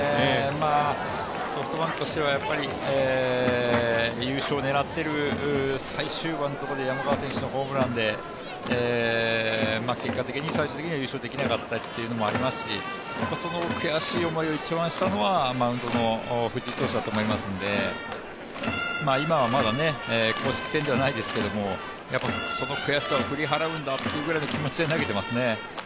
ソフトバンクとしては優勝を狙っている最終盤のところで山川選手のホームランで結果的に、最終的には優勝できなかったっていうのもありますし、その悔しい思いを一番したのはマウンドの藤井投手だと思いますので今はまだ公式戦ではないですけども、その悔しさを振り払うんだぐらいの気持ちで投げていますね。